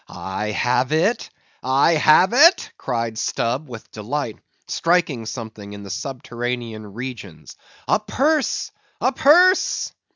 "I have it, I have it," cried Stubb, with delight, striking something in the subterranean regions, "a purse! a purse!"